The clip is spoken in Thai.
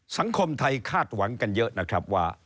สังคมไทยคาดหวังกันเยอะนะครับว่า